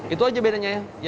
itu aja bedanya ya